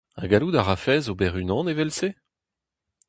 Ha gallout a rafes ober unan evel-se ?